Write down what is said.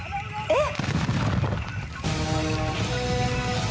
えっ！